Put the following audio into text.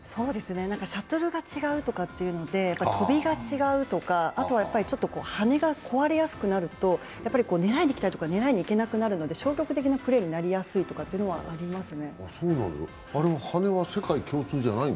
シャトルが違うとかというので飛びが違うとかあとは羽根が壊れやすくなると狙いにいきたいところに狙いにいけなくなっちゃうので消極的なプレーになりやすいとかはありますね。